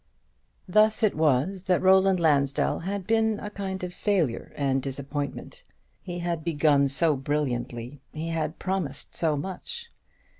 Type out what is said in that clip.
Thus it was that Roland Lansdell had been a kind of failure and disappointment. He had begun so brilliantly, he had promised so much.